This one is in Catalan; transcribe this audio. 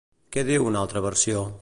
Què diu una altra versió?